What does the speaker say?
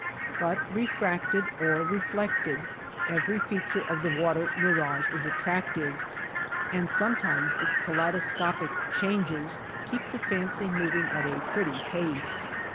But refracted or reflected, every feature of the water mirage is attractive. And sometimes its kaleidoscopic changes keep the fancy moving at a pretty pace.